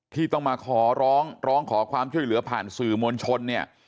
ที่ต้องมาขอร้องร้องขอความช่วยเหลือผ่านสื่อมวลชนเนี่ย